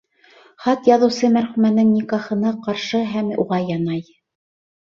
Хат яҙыусы мәрхүмәнең никахына ҡаршы һәм уға янай.